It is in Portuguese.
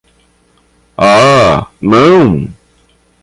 Ah não?